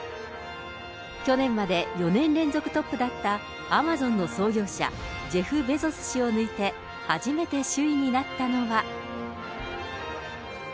去年まで４年連続トップだったアマゾンの創業者、ジェフ・ベゾス氏を抜いて、初めて首位になったのは。